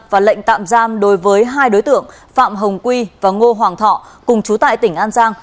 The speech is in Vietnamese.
và lệnh tạm giam đối với hai đối tượng phạm hồng quy và ngô hoàng thọ cùng chú tại tỉnh an giang